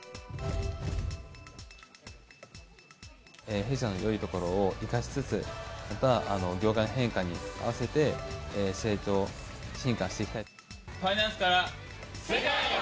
弊社のよいところを生かしつつ、また業界の変化に合わせて成長、進化していきたい。